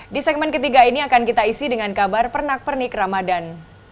di segmen ketiga ini akan kita isi dengan kabar pernak pernik ramadan